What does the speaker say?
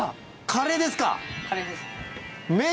カレーですね。